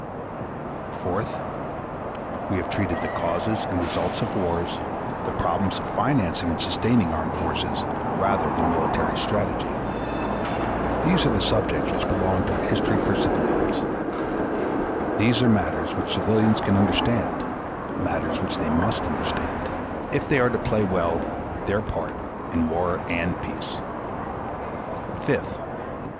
Fourth. We have treated the causes and results of wars, the problems of financing and sustaining armed forces, rather than military strategy. These are the subjects which belong to a history for civilians. These are matters which civilians can understand matters which they must understand, if they are to play well their part in war and peace. _Fifth.